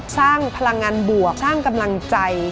สร้างพลังงานบวกสร้างกำลังใจ